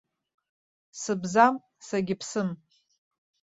Сыбзам, сагьыԥсым.